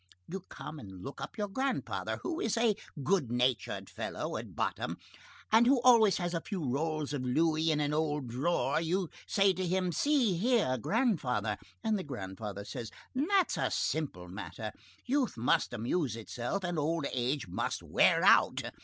You come and look up your grandfather, who is a good natured fellow at bottom, and who always has a few rolls of louis in an old drawer; you say to him: 'See here, grandfather.' And the grandfather says: 'That's a simple matter. Youth must amuse itself, and old age must wear out.